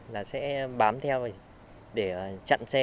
là sẽ bám theo để chặn xe